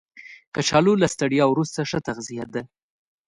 کچالو له ستړیا وروسته ښه تغذیه ده